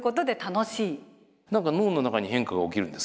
何か脳の中に変化が起きるんですか？